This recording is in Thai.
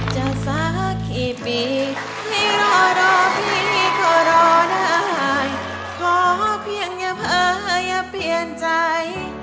ขอรอได้ขอเพียงอย่าเพิ่งอย่าเปลี่ยนใจ